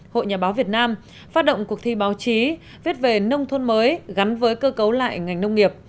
hội nhà báo việt nam phát động cuộc thi báo chí viết về nông thôn mới gắn với cơ cấu lại ngành nông nghiệp